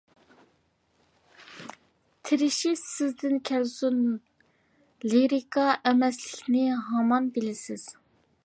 تىرىشىش سىزدىن كەلسۇن، لىرىكا ئەمەسلىكىنى ھامان بىلىسىز!